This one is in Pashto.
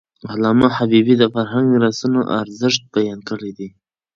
علامه حبيبي د فرهنګي میراثونو ارزښت بیان کړی دی.